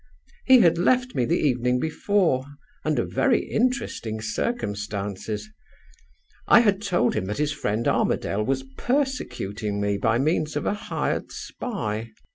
He had left me the evening before, under very interesting circumstances. I had told him that his friend Armadale was persecuting me by means of a hired spy.